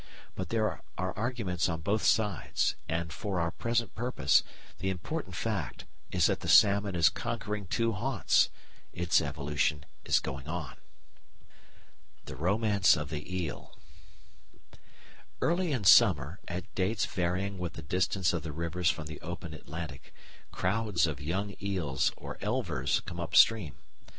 But there are arguments on both sides, and, for our present purpose, the important fact is that the salmon is conquering two haunts. Its evolution is going on. The Romance of the Eel Early in summer, at dates varying with the distance of the rivers from the open Atlantic, crowds of young eels or elvers come up stream.